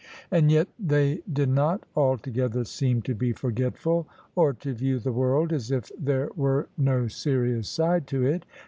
And yet they did not altogether seem to be forgetful, or to view the world as if there were no serious side to it.